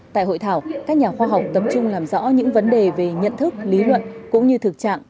tại hội thảo các nhà khoa học tập trung làm rõ những vấn đề về nhận thức lý luận cũng như thực trạng